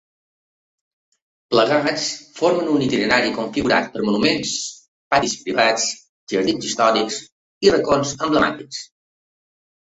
Plegats, formen un itinerari configurat per monuments, patis privats, jardins històrics i racons emblemàtics.